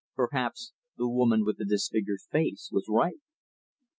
Perhaps the woman with the disfigured face was right.